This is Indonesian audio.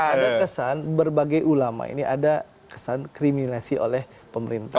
ada kesan berbagai ulama ini ada kesan kriminasi oleh pemerintah